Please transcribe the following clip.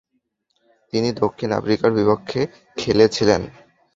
তিনি দক্ষিণ আফ্রিকার বিপক্ষে খেলেছিলেন।